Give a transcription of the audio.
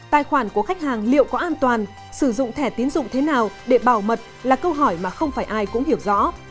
tài khoản của khách hàng liệu có an toàn sử dụng thẻ tiến dụng thế nào để bảo mật là câu hỏi mà không phải ai cũng hiểu rõ